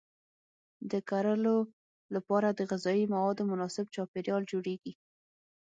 د کرلو لپاره د غذایي موادو مناسب چاپیریال جوړیږي.